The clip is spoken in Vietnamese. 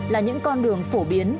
là những con đường phổ biến